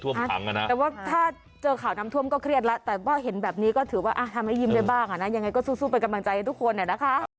ก็แปลว่าแต่ว่าถ้าเข้าข้างด้านซักหน่อยนะสวัสดีมาใช่มันนะครับ